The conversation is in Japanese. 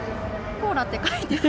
コーラって書いてある。